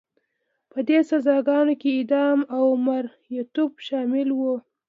په دې سزاګانو کې اعدام او مریتوب شامل وو.